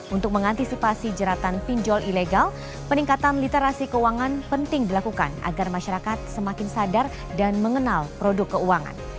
untuk mengantisipasi jeratan pinjol ilegal peningkatan literasi keuangan penting dilakukan agar masyarakat semakin sadar dan mengenal produk keuangan